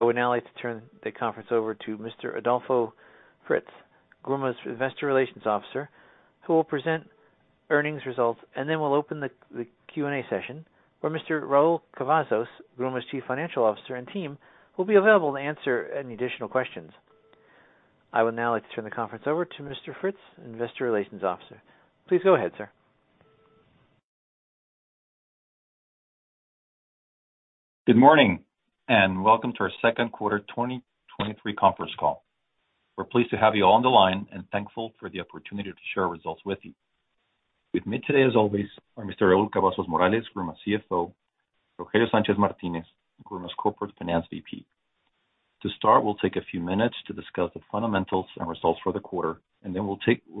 I would now like to turn the conference over to Mr. Adolfo Fritz, GRUMA's Investor Relations Officer, who will present earnings results, and then we'll open the Q&A session, where Mr. Raúl Cavazos, GRUMA's Chief Financial Officer, and team will be available to answer any additional questions. I would now like to turn the conference over to Mr. Fritz, Investor Relations Officer. Please go ahead, sir. Good morning. Welcome to our second quarter 2023 conference call. We're pleased to have you all on the line and thankful for the opportunity to share our results with you. With me today, as always, are Mr. Raúl Cavazos Morales, GRUMA's CFO, Rogelio Sánchez Martinez, GRUMA's Corporate Finance VP. To start, we'll take a few minutes to discuss the fundamentals and results for the quarter. Then we'll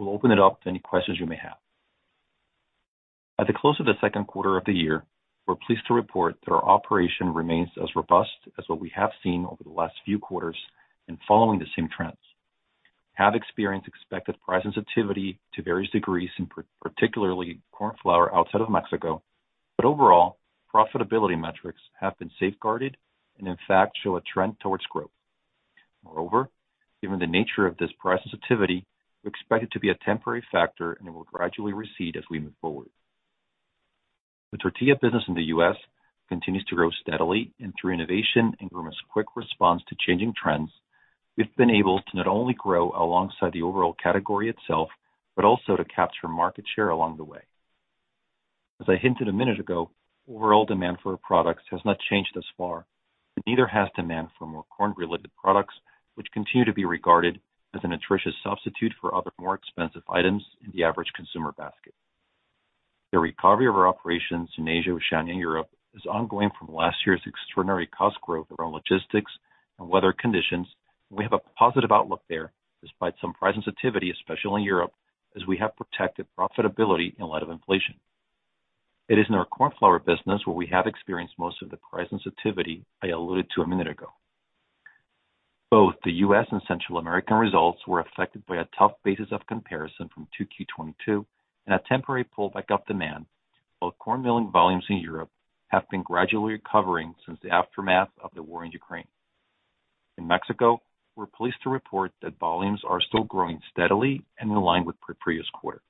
open it up to any questions you may have. At the close of the second quarter of the year, we're pleased to report that our operation remains as robust as what we have seen over the last few quarters and following the same trends. Have experienced expected price sensitivity to various degrees, particularly corn flour outside of Mexico. Overall, profitability metrics have been safeguarded and, in fact, show a trend towards growth. Moreover, given the nature of this price sensitivity, we expect it to be a temporary factor and it will gradually recede as we move forward. The tortilla business in the U.S. continues to grow steadily, and through innovation and GRUMA's quick response to changing trends, we've been able to not only grow alongside the overall category itself, but also to capture market share along the way. As I hinted a minute ago, overall demand for our products has not changed thus far, and neither has demand for more corn-related products, which continue to be regarded as an nutritious substitute for other, more expensive items in the average consumer basket. The recovery of our operations in Asia, Oceania, and Europe is ongoing from last year's extraordinary cost growth around logistics and weather conditions. We have a positive outlook there, despite some price sensitivity, especially in Europe, as we have protected profitability in light of inflation. It is in our corn flour business where we have experienced most of the price sensitivity I alluded to a minute ago. Both the U.S. and Central America results were affected by a tough basis of comparison from 2Q 2022 and a temporary pullback of demand. Both corn milling volumes in Europe have been gradually recovering since the aftermath of the war in Ukraine. In Mexico, we're pleased to report that volumes are still growing steadily and in line with the previous quarter.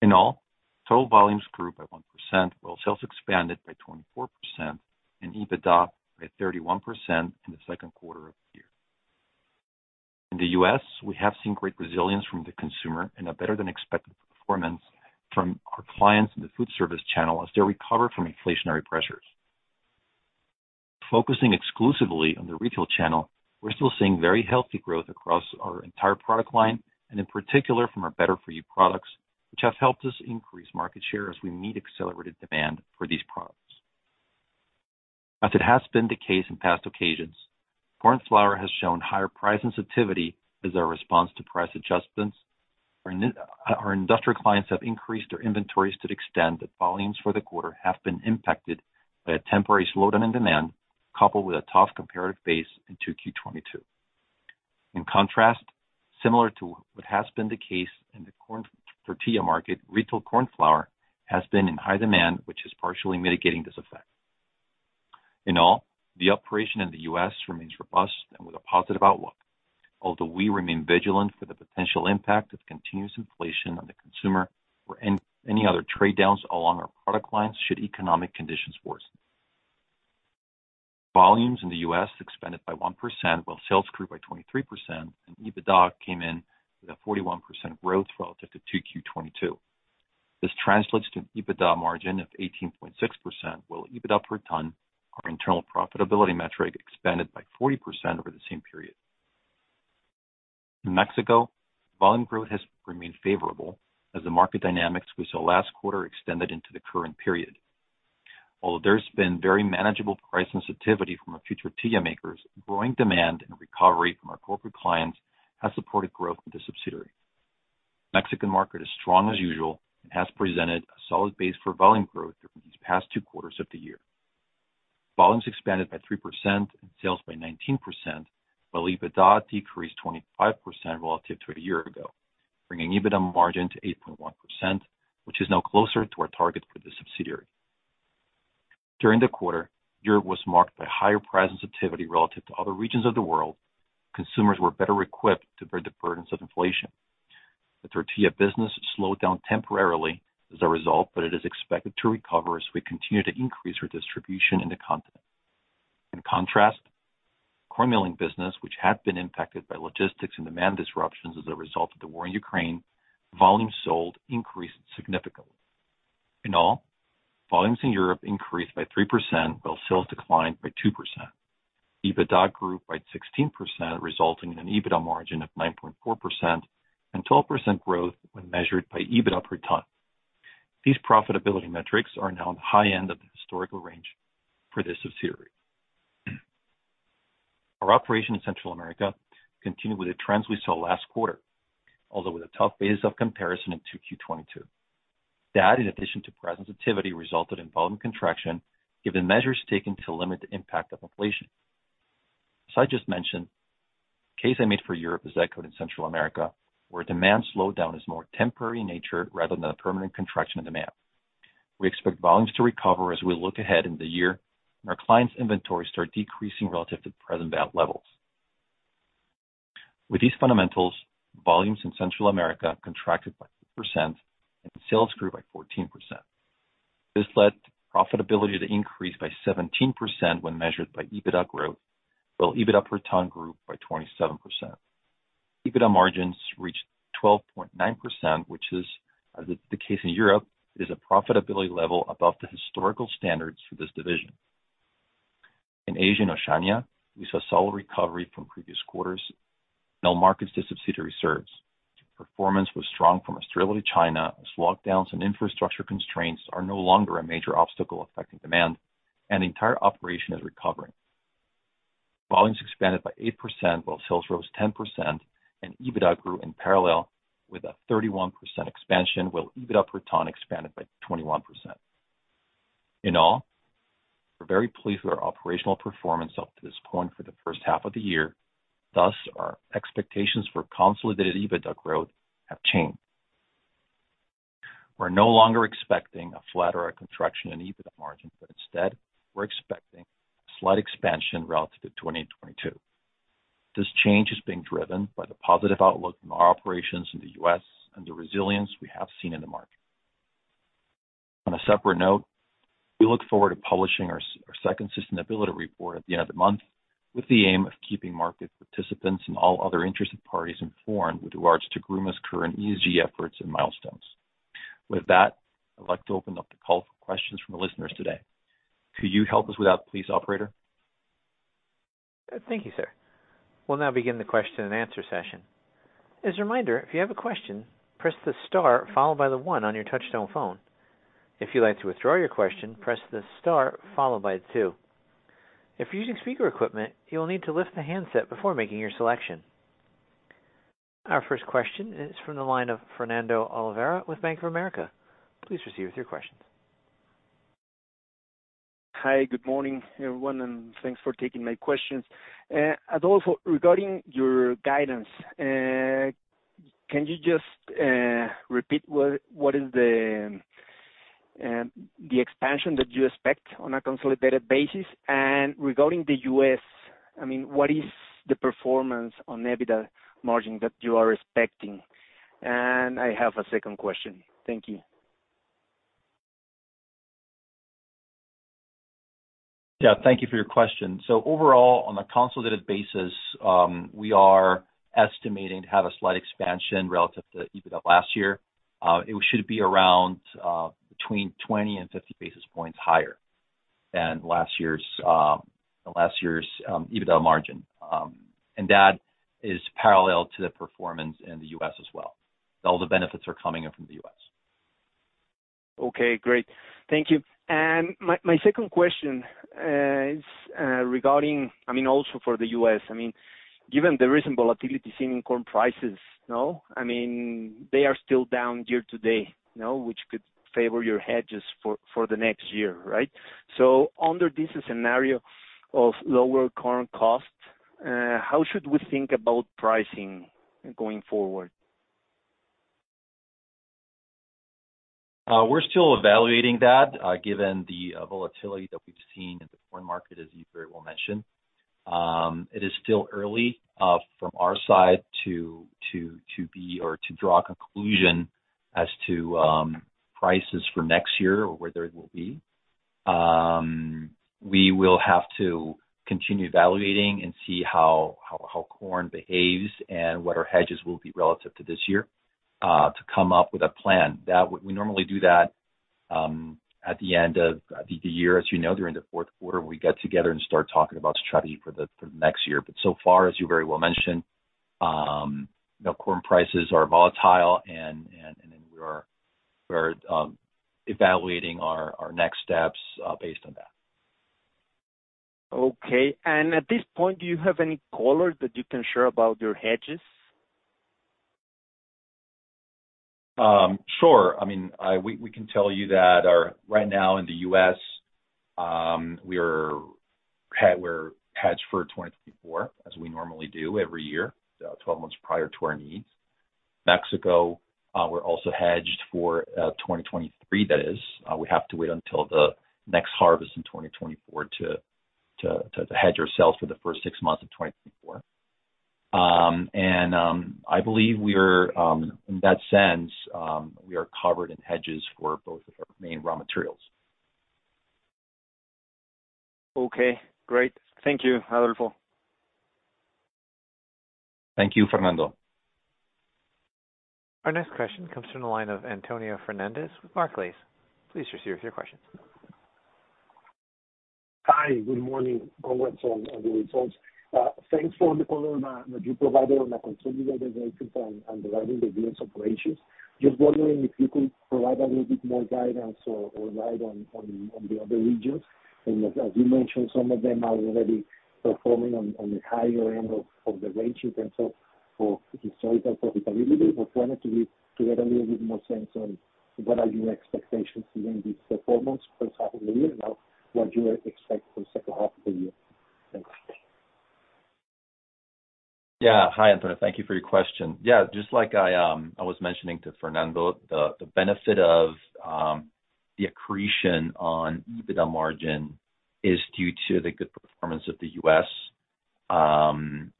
In all, total volumes grew by 1%, while sales expanded by 24% and EBITDA by 31% in the second quarter of the year. In the U.S., we have seen great resilience from the consumer and a better-than-expected performance from our clients in the food service channel as they recover from inflationary pressures. Focusing exclusively on the retail channel, we're still seeing very healthy growth across our entire product line, and in particular from our Better For You products, which have helped us increase market share as we meet accelerated demand for these products. As it has been the case in past occasions, corn flour has shown higher price sensitivity as our response to price adjustments. Our new, our industrial clients have increased their inventories to the extent that volumes for the quarter have been impacted by a temporary slowdown in demand, coupled with a tough comparative base in 2Q 2022. Similar to what has been the case in the corn tortilla market, retail corn flour has been in high demand, which is partially mitigating this effect. The operation in the U.S. remains robust and with a positive outlook, although we remain vigilant for the potential impact of continuous inflation on the consumer or any other trade downs along our product lines should economic conditions worsen. Volumes in the U.S. expanded by 1%, while sales grew by 23%, EBITDA came in with a 41% growth relative to 2Q 2022. This translates to an EBITDA margin of 18.6%, while EBITDA per ton, our internal profitability metric, expanded by 40% over the same period. In Mexico, volume growth has remained favorable as the market dynamics we saw last quarter extended into the current period. There's been very manageable price sensitivity from our future tortilla makers, growing demand and recovery from our corporate clients has supported growth in the subsidiary. Mexican market is strong as usual and has presented a solid base for volume growth during these past two quarters of the year. Volumes expanded by 3% and sales by 19%, while EBITDA decreased 25% relative to a year ago, bringing EBITDA margin to 8.1%, which is now closer to our target for the subsidiary. During the quarter, Europe was marked by higher price sensitivity relative to other regions of the world. Consumers were better equipped to bear the burdens of inflation. The tortilla business slowed down temporarily as a result, it is expected to recover as we continue to increase our distribution in the continent. In contrast, corn milling business, which had been impacted by logistics and demand disruptions as a result of the war in Ukraine, volumes sold increased significantly. Volumes in Europe increased by 3%, while sales declined by 2%. EBITDA grew by 16%, resulting in an EBITDA margin of 9.4% and 12% growth when measured by EBITDA per ton. These profitability metrics are now on the high end of the historical range for this subsidiary. Our operation in Central America continued with the trends we saw last quarter, although with a tough base of comparison in 2Q 2022. That, in addition to price sensitivity, resulted in volume contraction, given measures taken to limit the impact of inflation. As I just mentioned... The case I made for Europe is echoed in Central America, where demand slowdown is more temporary in nature rather than a permanent contraction in demand. We expect volumes to recover as we look ahead in the year, our clients' inventories start decreasing relative to present levels. With these fundamentals, volumes in Central America contracted by 6% and sales grew by 14%. This led to profitability to increase by 17% when measured by EBITDA growth, while EBITDA per ton grew by 27%. EBITDA margins reached 12.9%, which, as the case in Europe, is a profitability level above the historical standards for this division. In Asia and Oceania, we saw solid recovery from previous quarters in all markets to subsidiary serves. Performance was strong from Australia to China, as lockdowns and infrastructure constraints are no longer a major obstacle affecting demand, and the entire operation is recovering. Volumes expanded by 8%, while sales rose 10%. EBITDA grew in parallel with a 31% expansion, while EBITDA per ton expanded by 21%. In all, we're very pleased with our operational performance up to this point for the first half of the year. Thus, our expectations for consolidated EBITDA growth have changed. We're no longer expecting a flat or a contraction in EBITDA margin. Instead, we're expecting a slight expansion relative to 2022. This change is being driven by the positive outlook from our operations in the U.S. and the resilience we have seen in the market. On a separate note, we look forward to publishing our second sustainability report at the end of the month, with the aim of keeping market participants and all other interested parties informed with regards to GRUMA's current ESG efforts and milestones. I'd like to open up the call for questions from the listeners today. Could you help us with that please, operator? Thank you, sir. We'll now begin the question-and-answer session. As a reminder, if you have a question, press the star followed by the one on your touchtone phone. If you'd like to withdraw your question, press the star followed by two. If you're using speaker equipment, you will need to lift the handset before making your selection. Our first question is from the line of Fernando Olvera with Bank of America. Please proceed with your questions. Hi, good morning, everyone, and thanks for taking my questions. Adolfo Fritz, regarding your guidance, can you just repeat what is the expansion that you expect on a consolidated basis? Regarding the U.S., I mean, what is the performance on EBITDA margin that you are expecting? I have a second question. Thank you. Yeah, thank you for your question. Overall, on a consolidated basis, we are estimating to have a slight expansion relative to EBITDA last year. It should be around between 20 and 50 basis points higher than last year's last year's EBITDA margin. That is parallel to the performance in the U.S. as well. All the benefits are coming in from the U.S. Okay, great. Thank you. My second question is regarding... I mean, also for the U.S. I mean, given the recent volatility seen in corn prices, no? I mean, they are still down year-to-date, no? Which could favor your hedges for the next year, right? Under this scenario of lower corn costs, how should we think about pricing going forward? We're still evaluating that, given the volatility that we've seen in the corn market, as you very well mentioned. It is still early from our side to be or to draw a conclusion as to prices for next year or where they will be. We will have to continue evaluating and see how corn behaves and what our hedges will be relative to this year to come up with a plan. We normally do that at the end of the year, as you know, during the fourth quarter, we get together and start talking about strategy for the next year. So far, as you very well mentioned, you know, corn prices are volatile and we are evaluating our next steps based on that. Okay. At this point, do you have any color that you can share about your hedges? Sure. I mean, we can tell you that, right now in the U.S., we're hedged for 2024, as we normally do every year, 12 months prior to our needs. Mexico, we're also hedged for 2023, that is. We have to wait until the next harvest in 2024 to hedge ourselves for the first six months of 2024. I believe we are, in that sense, we are covered in hedges for both of our main raw materials. Okay, great. Thank you, Adolfo. Thank you, Fernando. Our next question comes from the line of Antonio Hernández with Barclays. Please proceed with your questions. Hi, good morning. Congrats on the results. Thanks for all the color that you provided on the consolidated results and driving the U.S. operations. Just wondering if you could provide a little bit more guidance or light on the other regions. As you mentioned, some of them are already performing on the higher end of the ranges, for historical profitability, but wanted to get a little bit more sense on what are your expectations given this performance for half of the year, and now what you expect from second half of the year? Thanks. Hi, Antonio. Thank you for your question. Just like I was mentioning to Fernando, the benefit of the accretion on EBITDA margin is due to the good performance of the U.S.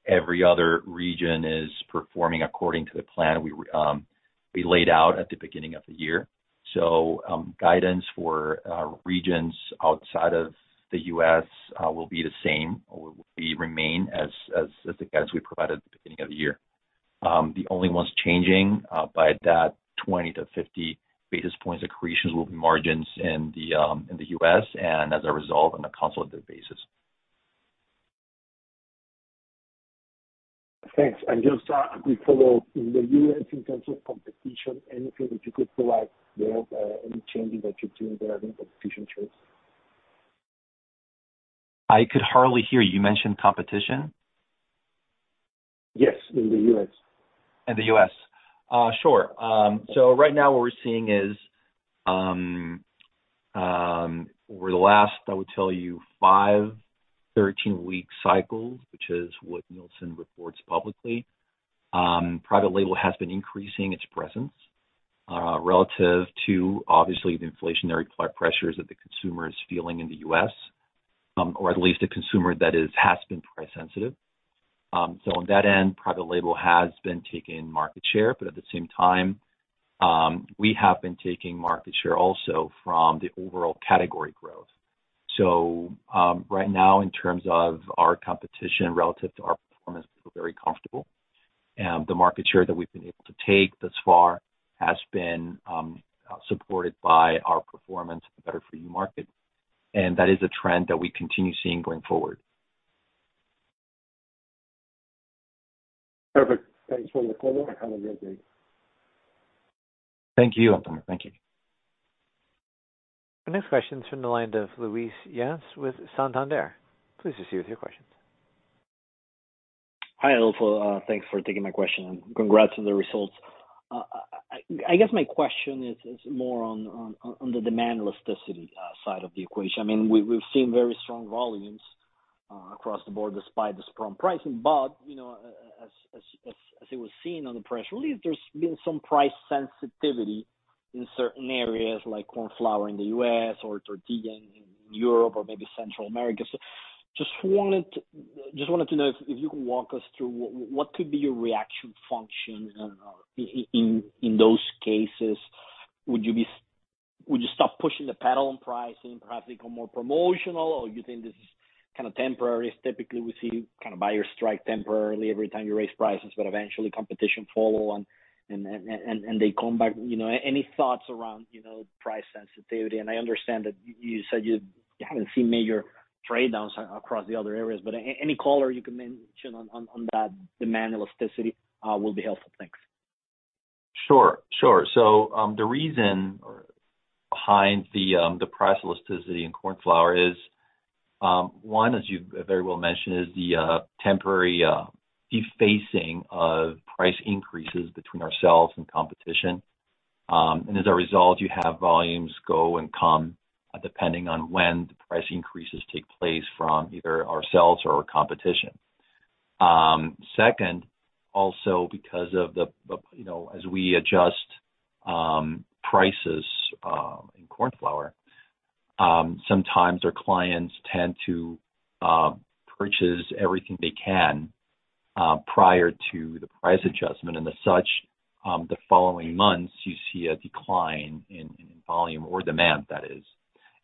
Every other region is performing according to the plan we laid out at the beginning of the year. Guidance for regions outside of the U.S. will remain as the guidance we provided at the beginning of the year. The only ones changing by that 20 to 50 basis points of accretions will be margins in the U.S., as a result, on a consolidated basis. Thanks. Just a quick follow-up. In the U.S., in terms of competition, anything that you could provide there, any changes that you're seeing there in competition trends? I could hardly hear. You mentioned competition? Yes, in the U.S. In the U.S. Sure. Right now, what we're seeing is, over the last, I would tell you, five 13-week cycles, which is what Nielsen reports publicly, private label has been increasing its presence, relative to obviously the inflationary pressures that the consumer is feeling in the U.S., or at least the consumer that has been price sensitive. On that end, private label has been taking market share, but at the same time, we have been taking market share also from the overall category growth. Right now, in terms of our competition relative to our performance, we feel very comfortable. The market share that we've been able to take thus far has been supported by our performance in the Better For You market. That is a trend that we continue seeing going forward. Perfect. Thanks for the call, and have a great day. Thank you, Antonio. Thank you. The next question is from the line of Luis Yance with Santander. Please proceed with your questions. Hi, Adolfo. Thanks for taking my question, and congrats on the results. I guess my question is more on the demand elasticity side of the equation. I mean, we've seen very strong volumes across the board, despite the strong pricing. You know, as it was seen on the press release, there's been some price sensitivity in certain areas like corn flour in the U.S. or tortilla in Europe or maybe Central America. Just wanted to know if you could walk us through what could be your reaction function in those cases? Would you stop pushing the pedal on pricing, perhaps become more promotional, or you think this is kind of temporary? Typically, we see you kind of buy your strike temporarily every time you raise prices, but eventually competition follow and they come back. You know, any thoughts around, you know, price sensitivity? I understand that you said you haven't seen major trade downs across the other areas, but any color you can mention on that demand elasticity will be helpful. Thanks. Sure, sure. The reason behind the price elasticity in corn flour is, one, as you very well mentioned, is the temporary defacing of price increases between ourselves and competition. As a result, you have volumes go and come, depending on when the price increases take place from either ourselves or our competition. Second, also because of the, you know, as we adjust prices in corn flour, sometimes our clients tend to purchase everything they can prior to the price adjustment, and as such, the following months, you see a decline in volume or demand, that is.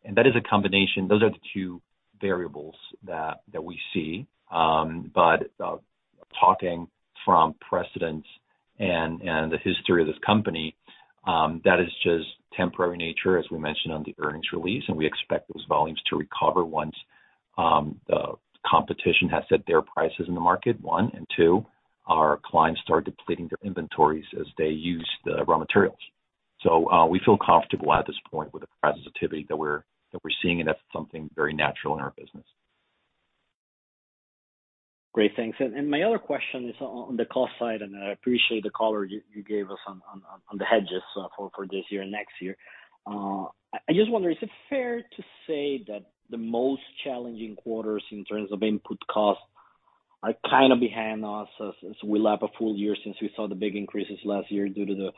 Those are the two variables that we see. Talking from precedents and the history of this company, that is just temporary nature, as we mentioned on the earnings release, and we expect those volumes to recover once the competition has set their prices in the market, one. Two, our clients start depleting their inventories as they use the raw materials. We feel comfortable at this point with the price sensitivity that we're seeing, and that's something very natural in our business. Great. Thanks. My other question is on the cost side, and I appreciate the color you gave us on the hedges for this year and next year. I just wonder, is it fair to say that the most challenging quarters in terms of input costs are kind of behind us, as we lap a full year since we saw the big increases last year due to the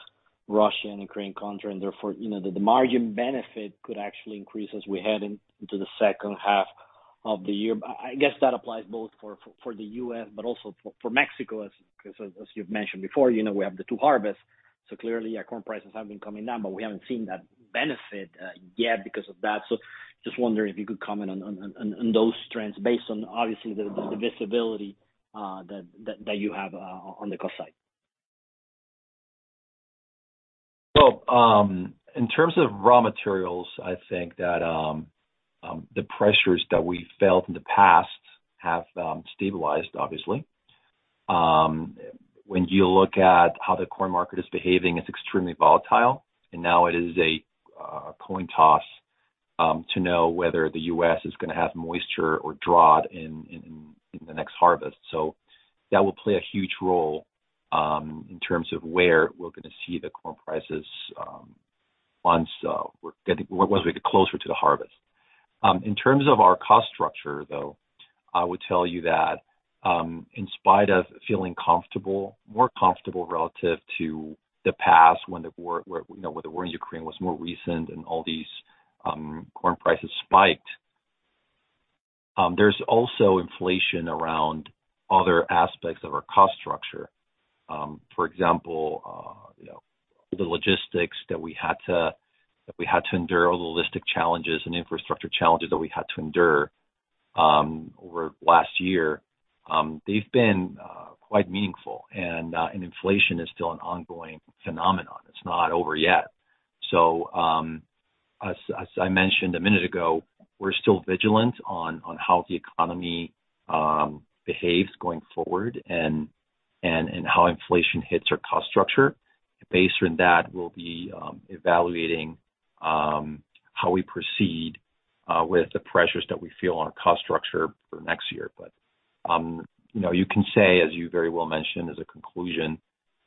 Russia and Ukraine contract, and therefore, you know, the margin benefit could actually increase as we head into the second half of the year? I guess that applies both for the U.S., but also for Mexico, as you've mentioned before, you know, we have the two harvests, so clearly, our corn prices have been coming down, but we haven't seen that benefit yet because of that. Just wondering if you could comment on those trends based on obviously the visibility that you have on the cost side. In terms of raw materials, I think that the pressures that we felt in the past have stabilized, obviously. When you look at how the corn market is behaving, it's extremely volatile, and now it is a coin toss to know whether the U.S. is gonna have moisture or drought in the next harvest. That will play a huge role in terms of where we're gonna see the corn prices once we get closer to the harvest. In terms of our cost structure, though, I would tell you that, in spite of feeling comfortable, more comfortable relative to the past, when the war, you know, where the war in Ukraine was more recent and all these corn prices spiked, there's also inflation around other aspects of our cost structure. For example, you know, the logistics that we had to endure, all the logistic challenges and infrastructure challenges that we had to endure over last year, they've been quite meaningful, and inflation is still an ongoing phenomenon. It's not over yet. As I mentioned a minute ago, we're still vigilant on how the economy behaves going forward and how inflation hits our cost structure. Based on that, we'll be evaluating how we proceed with the pressures that we feel on our cost structure for next year. You know, you can say, as you very well mentioned as a conclusion,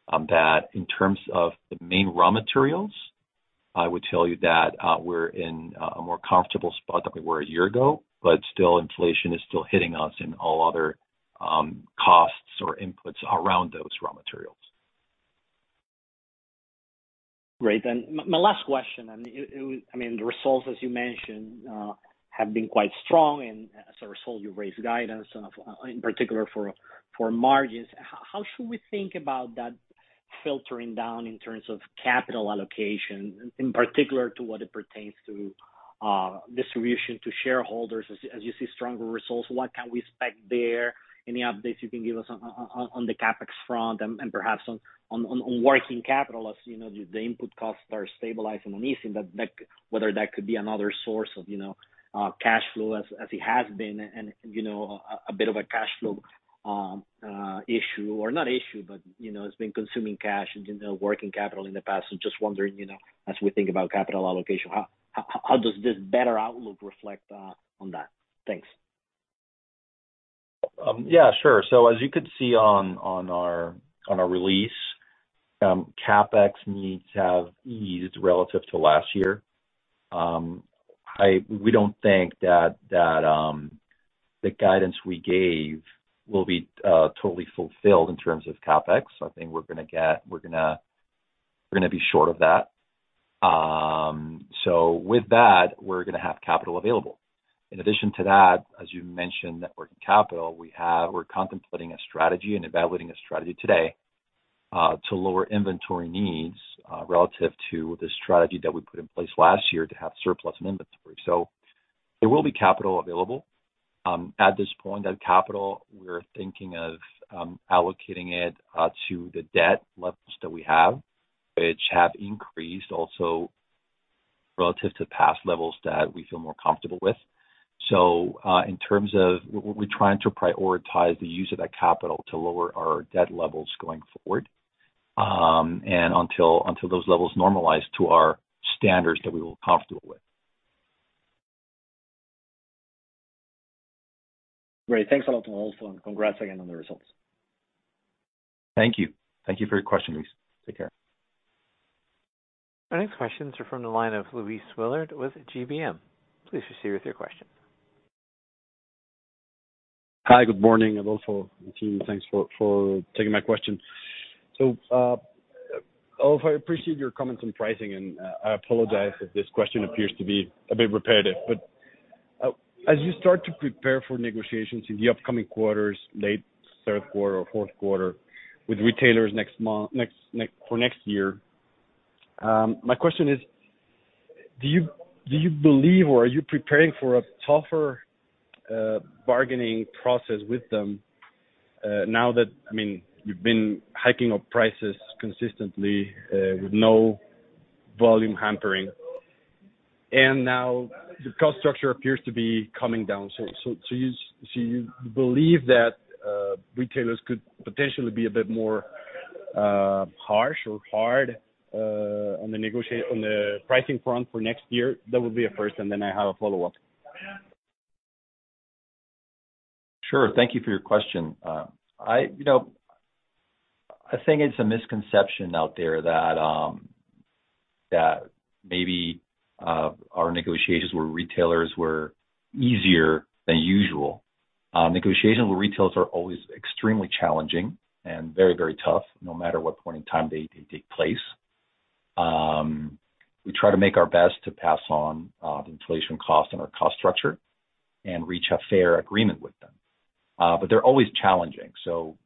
that in terms of the main raw materials, I would tell you that we're in a more comfortable spot than we were a year ago, but still, inflation is still hitting us in all other costs or inputs around those raw materials. Great. My last question, and it, I mean, the results, as you mentioned, have been quite strong, and as a result, you've raised guidance, in particular for margins. How should we think about that filtering down in terms of capital allocation, in particular to what it pertains to, distribution to shareholders? As you see stronger results, what can we expect there? Any updates you can give us on the CapEx front and perhaps on working capital, as you know, the input costs are stabilizing and easing, but that, whether that could be another source of, you know, cash flow, as it has been, and, you know, a bit of a cash flow issue, or not issue, but you know, it's been consuming cash and working capital in the past. Just wondering, you know, as we think about capital allocation, how does this better outlook reflect on that? Thanks. Yeah, sure. As you could see on our release, CapEx needs have eased relative to last year. We don't think that the guidance we gave will be totally fulfilled in terms of CapEx. I think we're gonna be short of that. With that, we're gonna have capital available. In addition to that, as you mentioned, working capital, we're contemplating a strategy and evaluating a strategy today to lower inventory needs relative to the strategy that we put in place last year to have surplus in inventory. There will be capital available. At this point, that capital, we're thinking of allocating it to the debt levels that we have, which have increased also relative to past levels that we feel more comfortable with. In terms of we're trying to prioritize the use of that capital to lower our debt levels going forward, and until those levels normalize to our standards that we feel comfortable with. Great. Thanks a lot, Adolfo. Congrats again on the results. Thank you. Thank you for your question, Luis. Take care. Our next questions are from the line of Luis Willard with GBM. Please proceed with your question. Hi, good morning, Adolfo and team. Thanks for taking my question. Adolfo, I appreciate your comments on pricing, and I apologize if this question appears to be a bit repetitive, but as you start to prepare for negotiations in the upcoming quarters, late third quarter or fourth quarter, with retailers next month, for next year, my question is: Do you believe, or are you preparing for a tougher bargaining process with them, now that, I mean, you've been hiking up prices consistently, with no volume hampering, and now the cost structure appears to be coming down. You believe that retailers could potentially be a bit more harsh or hard on the pricing front for next year? That would be a first, and then I have a follow-up. Sure. Thank you for your question. You know, I think it's a misconception out there that maybe our negotiations with retailers were easier than usual. Negotiations with retailers are always extremely challenging and very, very tough, no matter what point in time they take place. We try to make our best to pass on the inflation cost and our cost structure and reach a fair agreement with them. They're always challenging. The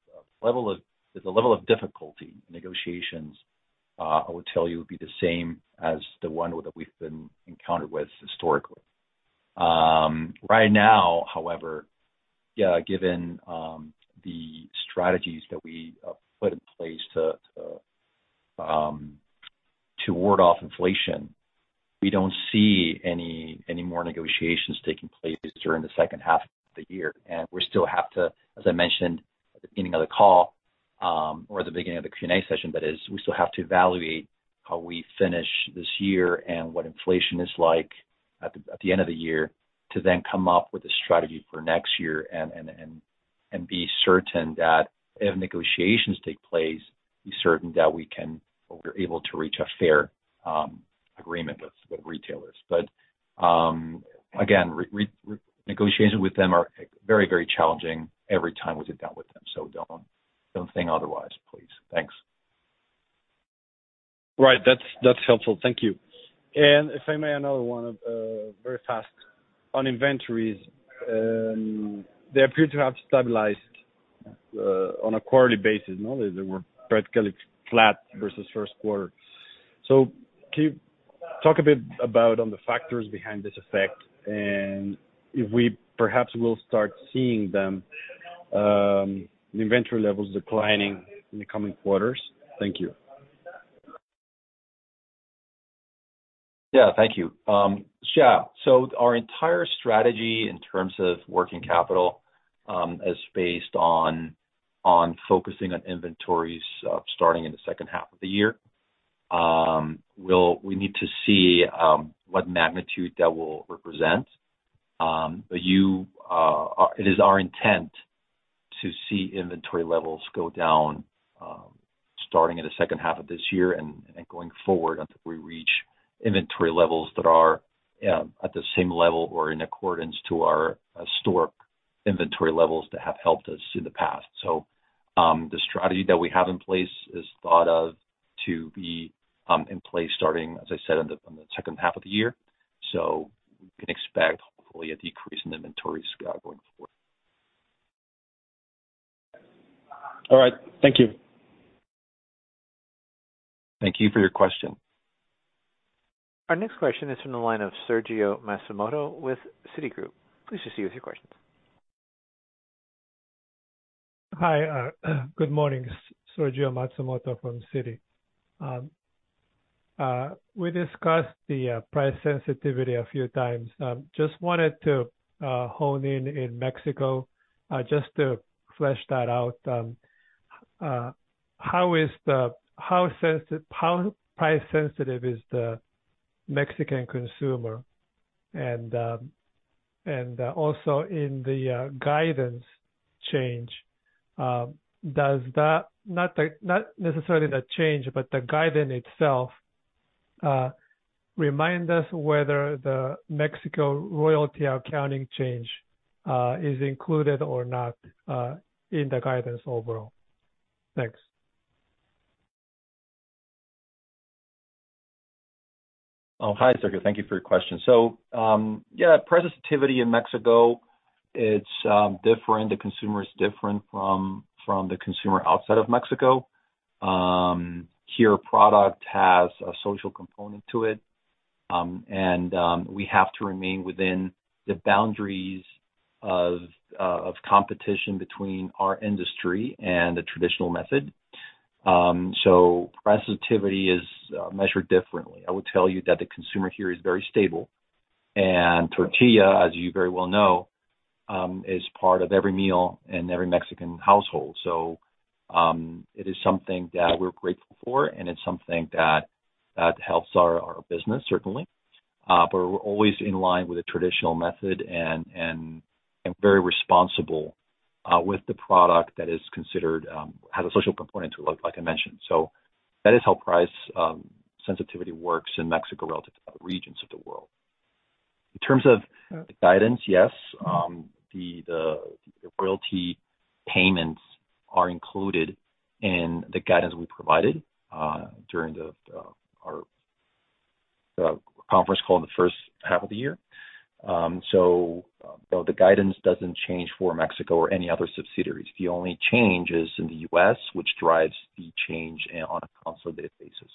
level of difficulty in negotiations, I would tell you, would be the same as the one that we've been encountered with historically. Right now, however, yeah, given the strategies that we put in place to ward off inflation, we don't see any more negotiations taking place during the second half of the year, and we still have to, as I mentioned at the beginning of the Q&A session, we still have to evaluate how we finish this year and what inflation is like at the end of the year, to then come up with a strategy for next year and be certain that if negotiations take place, be certain that we can or we're able to reach a fair agreement with retailers. Again, negotiation with them are very, very challenging every time we sit down with them. Don't think otherwise, please. Thanks. Right. That's helpful. Thank you. If I may, another one, very fast. On inventories, they appear to have stabilized on a quarterly basis, no? They were practically flat versus first quarter. Can you talk a bit about on the factors behind this effect, and if we perhaps will start seeing them, the inventory levels declining in the coming quarters? Thank you. Yeah. Thank you. Yeah, so our entire strategy in terms of working capital is based on focusing on inventories starting in the second half of the year. We need to see what magnitude that will represent. It is our intent to see inventory levels go down starting in the second half of this year and going forward, until we reach inventory levels that are at the same level or in accordance to our store inventory levels that have helped us in the past. The strategy that we have in place is thought of to be in place starting, as I said, in the second half of the year. We can expect hopefully a decrease in inventory scale going forward. All right. Thank you. Thank you for your question. Our next question is from the line of Sergio Matsumoto with Citigroup. Please proceed with your questions. Hi, good morning. Sergio Matsumoto from Citi. We discussed the price sensitivity a few times. Just wanted to hone in in Mexico, just to flesh that out. How sensitive, how price sensitive is the Mexican consumer? Also in the guidance change, does that, not the, not necessarily the change, but the guidance itself, remind us whether the Mexico royalty accounting change is included or not in the guidance overall? Thanks. Oh, hi, Sergio. Thank you for your question. Yeah, price sensitivity in Mexico, it's different. The consumer is different from the consumer outside of Mexico. Here, product has a social component to it, and we have to remain within the boundaries of competition between our industry and the traditional method. Price sensitivity is measured differently. I would tell you that the consumer here is very stable, and tortilla, as you very well know, is part of every meal in every Mexican household. It is something that we're grateful for, and it's something that helps our business, certainly. We're always in line with the traditional method and very responsible with the product that is considered, has a social component to it, like I mentioned. That is how price sensitivity works in Mexico relative to other regions of the world. In terms of the guidance, yes, the royalty payments are included in the guidance we provided during the conference call in the first half of the year. The guidance doesn't change for Mexico or any other subsidiaries. The only change is in the U.S., which drives the change on a consolidated basis.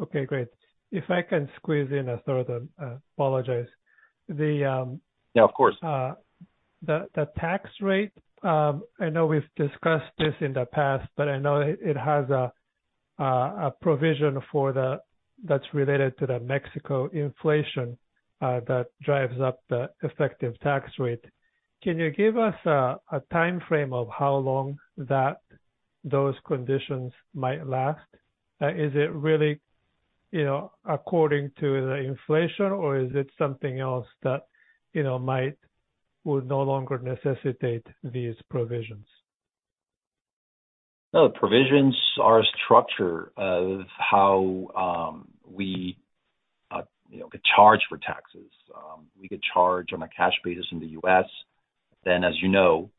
Okay, great. If I can squeeze in a third, I apologize. Yeah, of course. The tax rate, I know we've discussed this in the past, but I know it has a provision that's related to the Mexico inflation, that drives up the effective tax rate. Can you give us a timeframe of how long that those conditions might last? Is it really, you know, according to the inflation, or is it something else that, you know, would no longer necessitate these provisions? The provisions are a structure of how we, you know, get charged for taxes. We get charged on a cash basis in the U.S. As you know,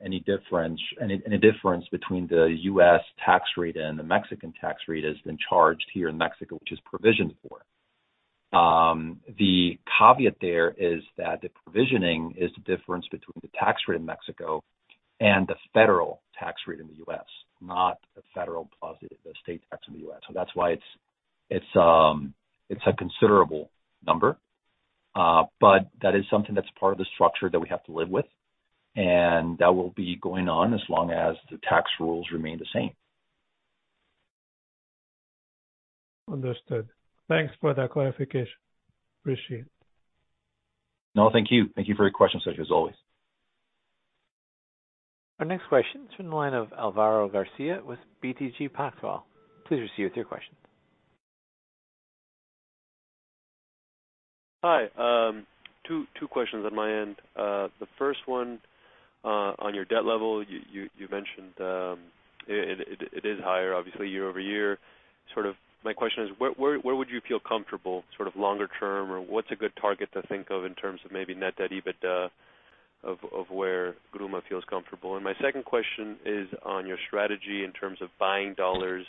any difference between the U.S. tax rate and the Mexican tax rate has been charged here in Mexico, which is provisioned for. The caveat there is that the provisioning is the difference between the tax rate in Mexico and the federal tax rate in the U.S., not the federal plus the state tax in the U.S. That's why it's a considerable number. That is something that's part of the structure that we have to live with, and that will be going on as long as the tax rules remain the same. Understood. Thanks for that clarification. Appreciate it. No, thank you. Thank you for your question, Sergio, as always. Our next question is from the line of Alvaro Garcia with BTG Pactual. Please proceed with your question. Hi. two questions on my end. The first one, on your debt level, you mentioned, it is higher obviously year-over-year. Sort of my question is: where would you feel comfortable, sort of longer term, or what's a good target to think of in terms of maybe net debt, EBITDA, of where GRUMA feels comfortable? My second question is on your strategy in terms of buying dollars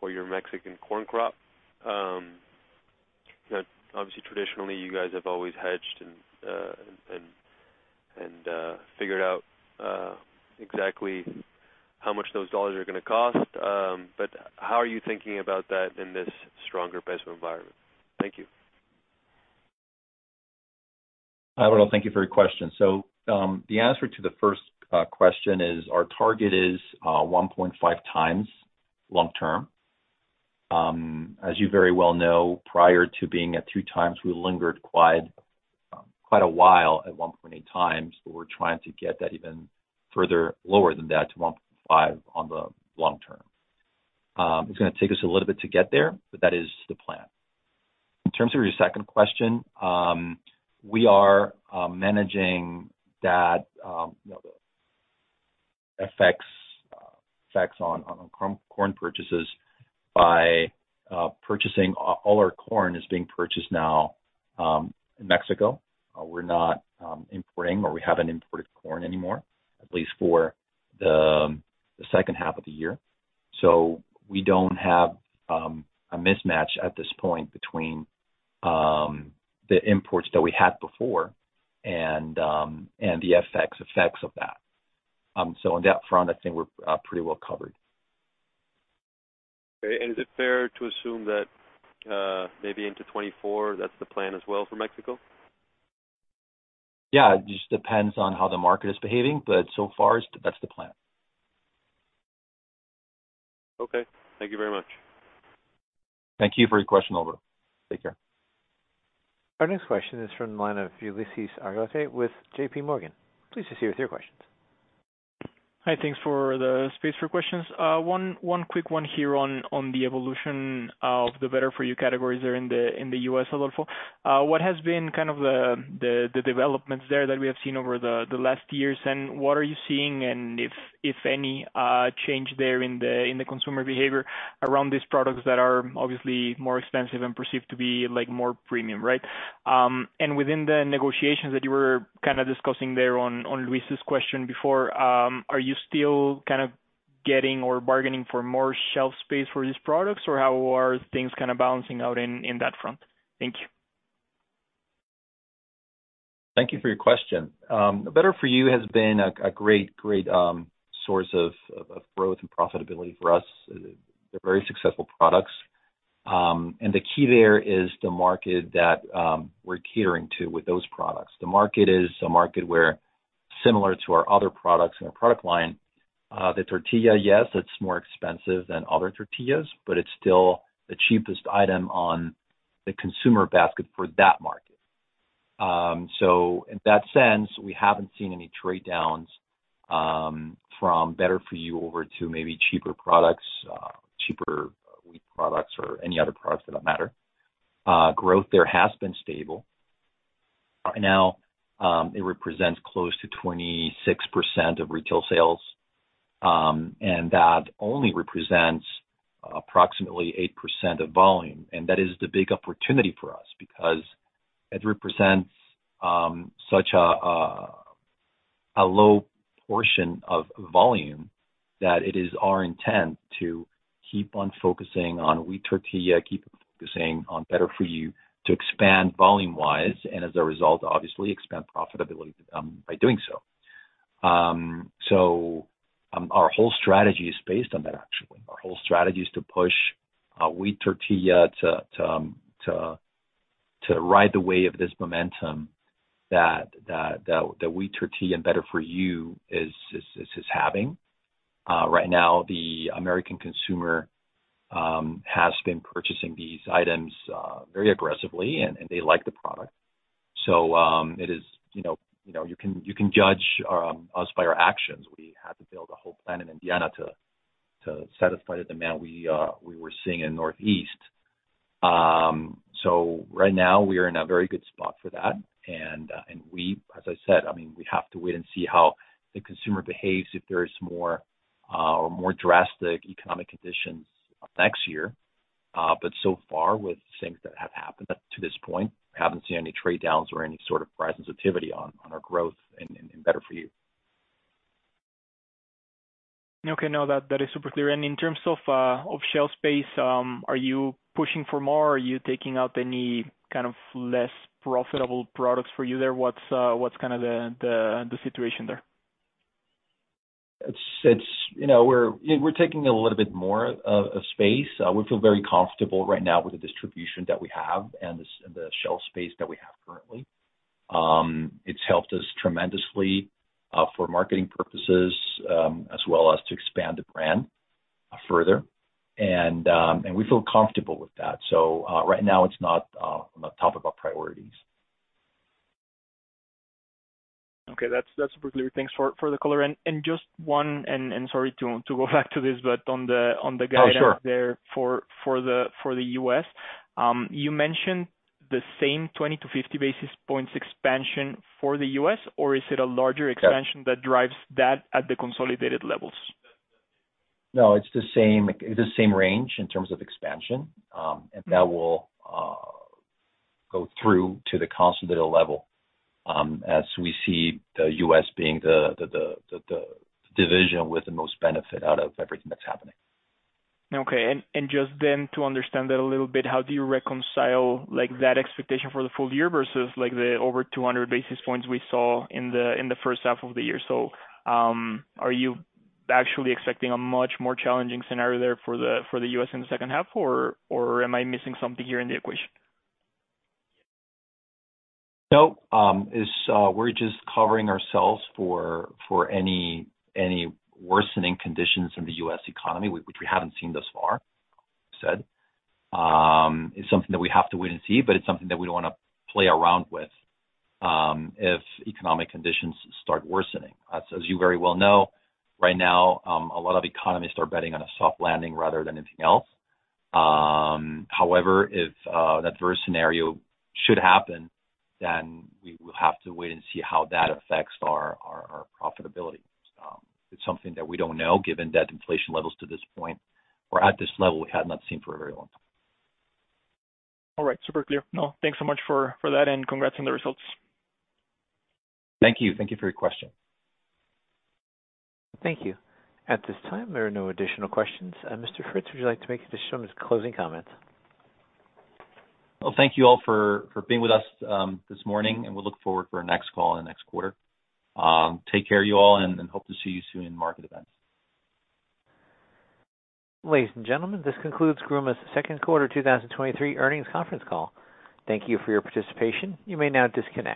for your Mexican corn crop. Obviously traditionally, you guys have always hedged and figured out exactly how much those dollars are gonna cost. How are you thinking about that in this stronger peso environment? Thank you. Alvaro, thank you for your question. The answer to the first question is, our target is 1.5x long term. As you very well know, prior to being at 2x, we lingered quite a while at 1.8x, but we're trying to get that even further lower than that to 1.5x on the long term. It's gonna take us a little bit to get there, but that is the plan. In terms of your second question, we are managing that, you know, the FX effects on corn purchases by purchasing. All our corn is being purchased now in Mexico. We're not importing, or we haven't imported corn anymore, at least for the second half of the year. We don't have a mismatch at this point between the imports that we had before and the FX effects of that. On that front, I think we're pretty well covered. Okay. Is it fair to assume that, maybe into 2024, that's the plan as well for Mexico? Yeah, it just depends on how the market is behaving, but so far, that's the plan. Okay. Thank you very much. Thank you for your question, Alvaro. Take care. Our next question is from the line of Ulises Argote with J.P. Morgan. Please proceed with your questions. Hi, thanks for the space for questions. One quick one here on the evolution of the Better For You categories there in the U.S., Adolfo. What has been kind of the developments there that we have seen over the last years? What are you seeing, and if any, change there in the consumer behavior around these products that are obviously more expensive and perceived to be, like, more premium, right? Within the negotiations that you were kind of discussing there on Luis's question before, are you still kind of getting or bargaining for more shelf space for these products, or how are things kind of balancing out in that front? Thank you. Thank you for your question. Better For You has been a great source of growth and profitability for us. They're very successful products. The key there is the market that we're catering to with those products. The market is a market where, similar to our other products in our product line, the tortilla, yes, it's more expensive than other tortillas, but it's still the cheapest item on the consumer basket for that market. In that sense, we haven't seen any trade downs from Better For You over to maybe cheaper products, cheaper wheat products or any other products that matter. Growth there has been stable. Right now, it represents close to 26% of retail sales, and that only represents approximately 8% of volume, and that is the big opportunity for us. It represents such a low portion of volume, that it is our intent to keep on focusing on wheat tortilla, keep focusing on Better For You to expand volume-wise, and as a result, obviously expand profitability by doing so. Our whole strategy is based on that, actually. Our whole strategy is to push wheat tortilla to ride the wave of this momentum that wheat tortilla and Better For You is having. Right now, the American consumer has been purchasing these items very aggressively, and they like the product. It is, you know, you can judge us by our actions. We had to build a whole plant in Indiana to satisfy the demand we were seeing in Northeast. Right now we are in a very good spot for that, and we, as I said, I mean, we have to wait and see how the consumer behaves if there is more or more drastic economic conditions next year. So far, with things that have happened up to this point, we haven't seen any trade downs or any sort of price sensitivity on our growth in Better For You. Okay, no, that is super clear. In terms of shelf space, are you pushing for more? Are you taking out any kind of less profitable products for you there? What's kind of the situation there? It's, you know, we're taking a little bit more of space. We feel very comfortable right now with the distribution that we have and the shelf space that we have currently. It's helped us tremendously for marketing purposes, as well as to expand the brand further. We feel comfortable with that. Right now, it's not on the top of our priorities. Okay. That's super clear. Thanks for the color. Just one, sorry to go back to this on the guidance- Oh, sure.... there for the U.S. You mentioned the same 20-50 basis points expansion for the U.S., or is it a larger expansion- Yes.... that drives that at the consolidated levels? No, it's the same, the same range in terms of expansion. That will go through to the consolidated level, as we see the U.S. being the division with the most benefit out of everything that's happening. Okay. Just then to understand that a little bit, how do you reconcile, like, that expectation for the full year versus like the over 200 basis points we saw in the first half of the year? Are you actually expecting a much more challenging scenario there for the U.S. in the second half, or am I missing something here in the equation? No. It's, we're just covering ourselves for any worsening conditions in the U.S. economy, which we haven't seen thus far, said. It's something that we have to wait and see, but it's something that we don't wanna play around with, if economic conditions start worsening. As you very well know, right now, a lot of economies are betting on a soft landing rather than anything else. However, if an adverse scenario should happen, then we will have to wait and see how that affects our profitability. It's something that we don't know, given that inflation levels to this point or at this level, we have not seen for a very long time. All right. Super clear. Thanks so much for that, and congrats on the results. Thank you. Thank you for your question. Thank you. At this time, there are no additional questions. Mr. Fritz, would you like to make additional closing comments? Well, thank you all for being with us, this morning. We look forward to our next call in the next quarter. Take care of you all, and hope to see you soon in market events. Ladies and gentlemen, this concludes Gruma's second quarter 2023 earnings conference call. Thank you for your participation. You may now disconnect.